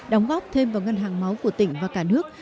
đóng góp thêm vào ngân hàng máu của tỉnh và cả nước